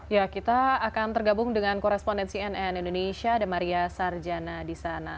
ya kita akan tergabung dengan korespondensi nn indonesia ada maria sarjana di sana